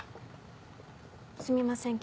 すみません